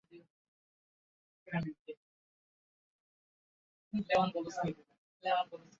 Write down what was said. এটি যৌন হয়রানির প্রথম ঘটনাগুলির মধ্যে একটি, যা সফলভাবে বিচার করা হয়েছে।